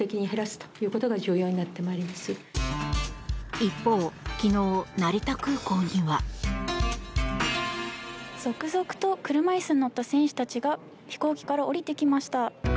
一方、昨日、成田空港には。続々と車椅子に乗った選手たちが飛行機から降りてきました。